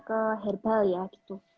ke herbal ya gitu